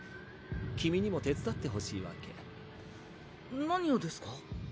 君にも手伝ってほしいわけ。何をですか？